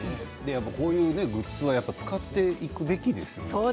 こういうグッズは使っていくべきですよね。